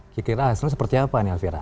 kira kira hasilnya seperti apa nih elvira